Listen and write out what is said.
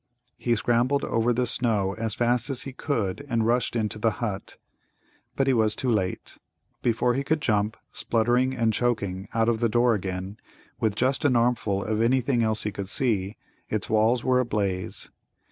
he scrambled over the snow as fast as he could and rushed into the hut. But he was too late; before he could jump, spluttering and choking, out of the door again, with just an armful of anything he could see, its walls were ablaze.